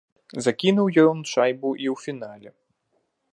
Закінуў ён шайбу і ў фінале.